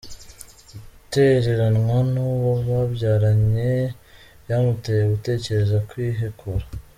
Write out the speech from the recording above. Gutereranwa n’uwo babyaranye byamuteye gutekereza kwihekura